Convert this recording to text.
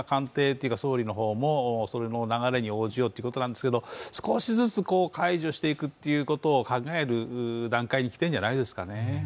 総理の方もその流れに応じようということなんですけど少しずつ解除していくことを考える段階にきてるんじゃないですかね。